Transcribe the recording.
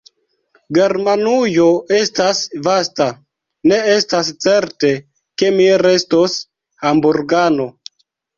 Germanujo estas vasta; ne estas certe, ke mi restos Hamburgano.